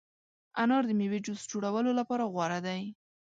انار د مېوې جوس جوړولو لپاره غوره دی.